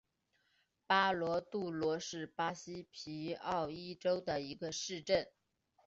巴罗杜罗是巴西皮奥伊州的一个市镇。